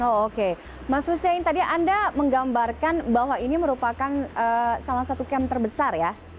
oh oke mas hussein tadi anda menggambarkan bahwa ini merupakan salah satu camp terbesar ya